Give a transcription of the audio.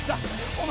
お前。